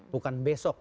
bukan besok ya